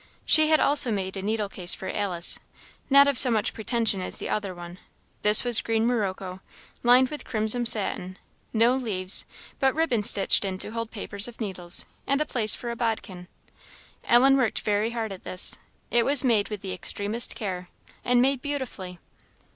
She had also made a needlecase for Alice, not of so much pretension as the other one; this was green morocco, lined with crimson satin; no leaves, but ribbon stitched in to hold papers of needles, and a place for a bodkin. Ellen worked very hard at this; it was made with the extremest care, and made beautifully.